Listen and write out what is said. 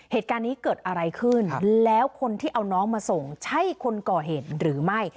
เหตุการณ์นี้เกิดอะไรขึ้นแล้วคนที่เอาน้องมาส่งใช่คนก่อเหตุหรือไม่